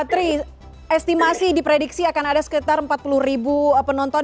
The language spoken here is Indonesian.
tri estimasi diprediksi akan ada sekitar empat puluh ribu penonton